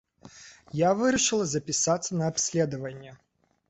Я вырашыла запісацца на абследаванне.